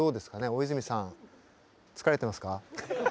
大泉さん疲れてますか？